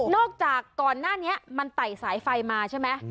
จากก่อนหน้านี้มันไต่สายไฟมาใช่ไหม